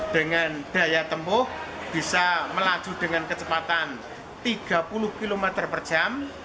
dengan daya tempuh bisa melaju dengan kecepatan tiga puluh km per jam